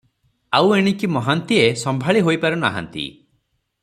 ଆଉ ଏଣିକି ମହାନ୍ତିଏ ସମ୍ଭାଳି ହୋଇ ପାରୁ ନାହାନ୍ତି ।